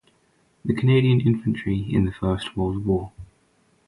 The Canadian Infantry in the First World War.